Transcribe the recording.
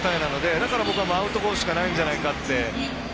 だから僕はアウトコースしかないんじゃないかって。